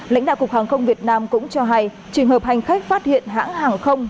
lãnh đạo cục hàng không việt nam cũng cho hay trường hợp hành khách phát hiện hãng hàng không